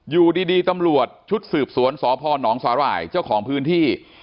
อยู่ดีตำรวจชุดสืบสวนสพนสาหร่ายเจ้าของพื้นที่